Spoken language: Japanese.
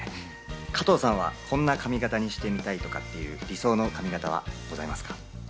加藤さんは、こんな髪形にしてみたいとかっていう理想の髪形はございますか？